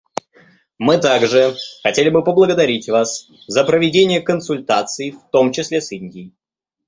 Мы также хотели бы поблагодарить вас за проведение консультаций, в том числе с Индией.